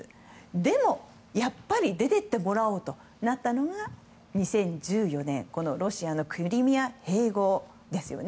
でも、やっぱり出ていってもらおうとなったのは２０１４年ロシアのクリミア併合ですね。